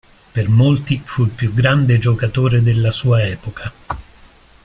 Per molti fu il più grande giocatore della sua epoca.